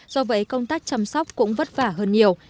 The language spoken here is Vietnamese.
do vậy công tác chăm sóc cũng vất vả hơn nhiều